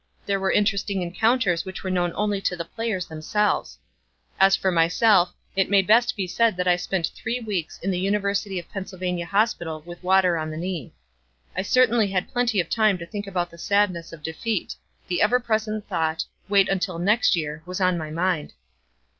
There were interesting encounters which were known only to the players themselves. As for myself, it may best be said that I spent three weeks in the University of Pennsylvania Hospital with water on the knee. I certainly had plenty of time to think about the sadness of defeat the ever present thought "Wait until next year" was in my mind.